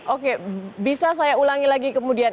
oke bisa saya ulangi lagi kemudian